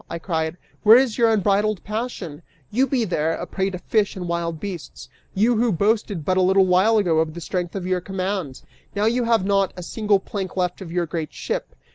I cried. "Where is your unbridled passion? You be there, a prey to fish and wild beasts, you who boasted but a little while ago of the strength of your command. Now you have not a single plank left of your great ship!